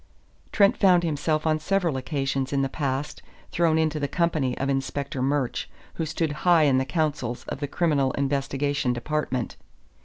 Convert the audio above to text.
Trent had found himself on several occasions in the past thrown into the company of Inspector Murch, who stood high in the councils of the Criminal Investigation Department.